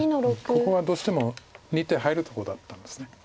ここはどうしても２手入るとこだったんです。